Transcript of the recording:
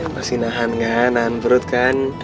masih nahan kan nahan perut kan